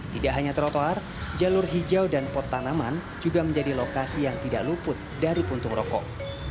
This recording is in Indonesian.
tidak hanya trotoar jalur hijau dan pot tanaman juga menjadi lokasi yang tidak luput dari puntung rokok